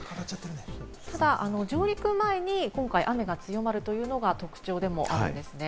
ただ上陸前に今回、雨が強まるというのが特徴でもあるんです。